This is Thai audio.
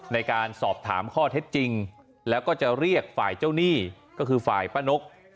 ในการสอบถามข้อเท็จจริงแล้วก็จะเรียกฝ่ายเจ้าหนี้ก็คือฝ่ายป้านก